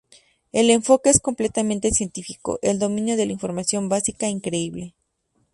El enfoque es completamente científico, el dominio de la información básica increíble.